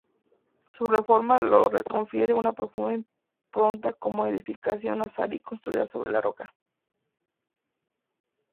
Su reforma le confiere una profunda impronta como edificación nazarí construida sobre la roca.